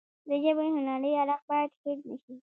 د ژبې هنري اړخ باید هیر نشي.